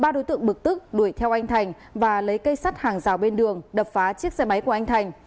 ba đối tượng bực tức đuổi theo anh thành và lấy cây sắt hàng rào bên đường đập phá chiếc xe máy của anh thành